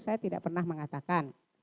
saya tidak pernah mengatakan